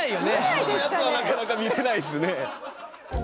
人のやつはなかなか見れないですね。